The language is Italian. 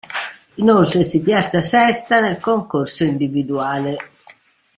Inoltre si piazza sesta nel concorso individuale.